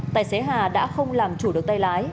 tài xế hà đã không làm chủ được tay lái